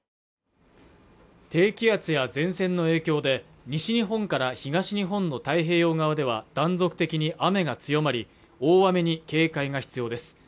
低気圧や前線の影響で西日本から東日本の太平洋側では断続的に雨が強まり大雨に警戒が必要です